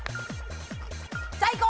最高！